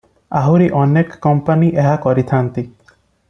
ଆହୁରି ଅନେକ କମ୍ପାନି ଏହା କରିଥାନ୍ତି ।